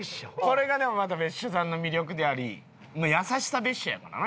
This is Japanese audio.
これがでもまた別所さんの魅力であり優しさ別所やからな